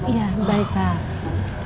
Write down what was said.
iya baik pak